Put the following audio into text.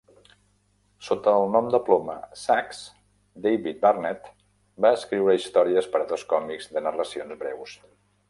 Sota el nom de ploma "Sax", David Barnett va escriure històries per a dos còmics de narracions breus.